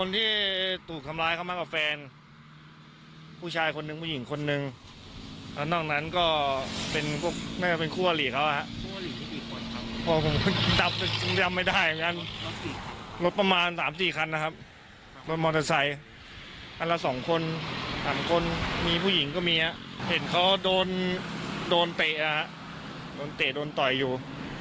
โดนเตะนะคะโดนเตะโดนต่อยอยู่